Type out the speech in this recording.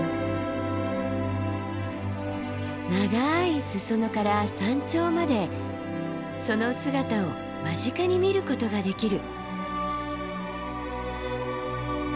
長い裾野から山頂までその姿を間近に見ることができる。